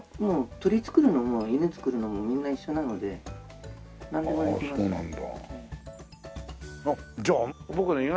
鳥作るのも犬作るのもみんな一緒なのでなんでもできます。